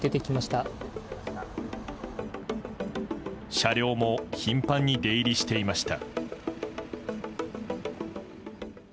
車両も頻繁に出入りしていました。